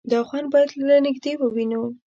_دا خوند بايد له نږدې ووينو.